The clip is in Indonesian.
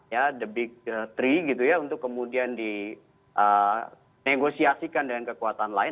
ya the big three gitu ya untuk kemudian di negosiasikan dengan kekuatan lain